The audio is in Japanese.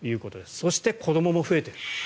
そして、子どもも増えている。